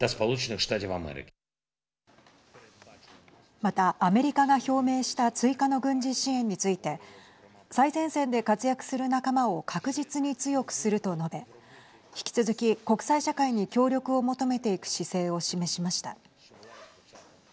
また、アメリカが表明した追加の軍事支援について最前線で活躍する仲間を確実に強くすると述べ引き続き国際社会に協力を求めていく姿勢を示しました。